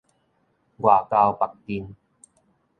外交縛陣